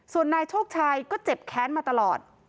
ส่วนนายโชคชัยก็เจ็บแค้นมาตลอด